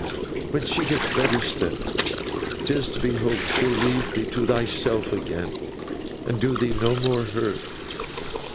'When she gets better, Stephen, 'tis to be hoped she'll leave thee to thyself again, and do thee no more hurt.